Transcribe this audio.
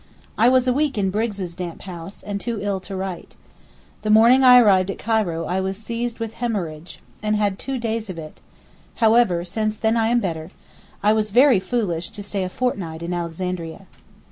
I was a week in Briggs' damp house, and too ill to write. The morning I arrived at Cairo I was seized with hæmorrhage, and had two days of it; however, since then I am better. I was very foolish to stay a fortnight in Alexandria.